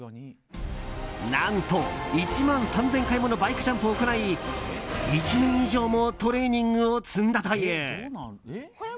何と１万３０００回ものバイクジャンプを行い１年以上もトレーニングを積んだという。